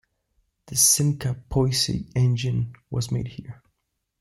The "Simca Poissy engine" was made here.